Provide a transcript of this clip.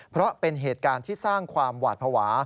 เพราะเป็นเหตุการณ์ที่สร้างความหวาดภาวะ